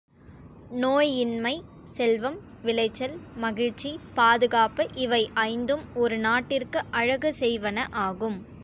நோய் இன்மை, செல்வம், விளைச்சல், மகிழ்ச்சி, பாதுகாப்பு இவை ஐந்தும் ஒரு நாட்டிற்கு அழகு செய்வன ஆகும்.